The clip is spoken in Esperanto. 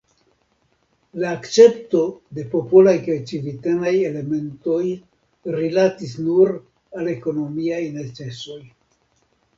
La akcepto de popolaj kaj civitanaj elementoj rilatis nur al ekonomiaj necesoj.